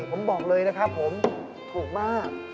ผมบอกเลยนะครับผมถูกมาก